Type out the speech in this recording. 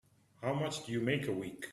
How much do you make a week?